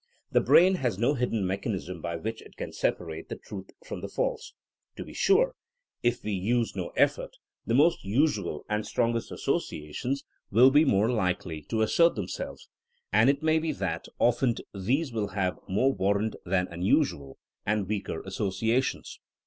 '' The brain has no hidden mechanism by which it can separate the true from the false. To be sure, if we use no effort the most usual and strongest associations will be more likely THINEINO AS A SCIENCE 91 to assert themselves, and it may be that often these will have more warrant than unusual and weaker associations.